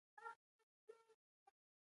ما د پښتو د املا لپاره کره هڅه وکړه.